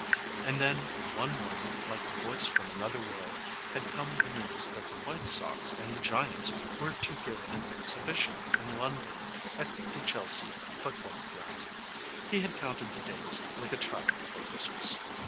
And then, one morning, like a voice from another world, had come the news that the White Sox and the Giants were to give an exhibition in London at the Chelsea Football Ground. He had counted the days like a child before Christmas.